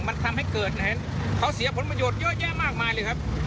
มันทำให้เกิดเขาเสียผลประโยชน์เยอะแยะมากมายเลยครับ